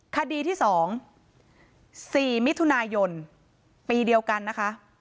คดีที่๒๔มิถุนายนปีเดียวกันนะคะ